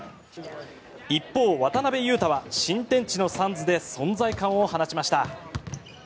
一方、渡邊雄太は新天地のサンズで存在感を放ちました。